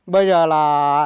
bây giờ là